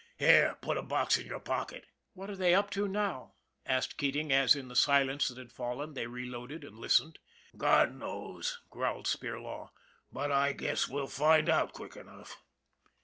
" Here, put a box in your pocket." " What are they up to now ?" asked Keating as, in the silence that had fallen, they reloaded and listened. " God knows," growled Spirlaw ;" but I guess we'll find out quick enough."